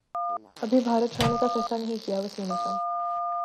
ابھی بھارت چھوڑنے کافیصلہ نہیں کیا وسیم اکرم